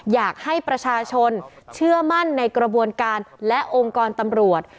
อยากให้ประชาชนเชื่อมั่นในกระบวนการและองค์กรตำรวจ